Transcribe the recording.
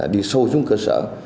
đi sâu xuống cơ sở